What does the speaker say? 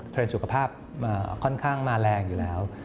สุขภาพค่อนข้างมาแรงอยู่แล้ว